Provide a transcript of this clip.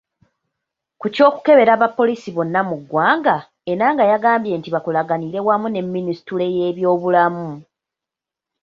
Ku ky’okukebera abapoliisi bonna mu ggwanga, Enanga yagambye nti bakolaganira wamu ne Minisitule y’ebyobulamu.